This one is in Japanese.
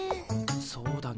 そうだね。